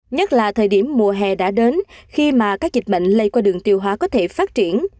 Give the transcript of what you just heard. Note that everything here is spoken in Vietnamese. nhất là thời điểm mùa hè đã đến khi mà các dịch bệnh lây qua đường tiêu hóa có thể phát triển